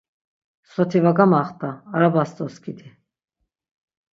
Soti va gamaxta, arabas doskidi!